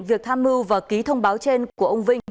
việc tham mưu và ký thông báo trên của ông vinh